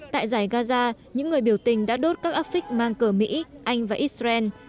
tại giải gaza những người biểu tình đã đốt các áp phích mang cờ mỹ anh và israel